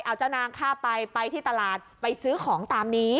เอาเจ้านางฆ่าไปไปที่ตลาดไปซื้อของตามนี้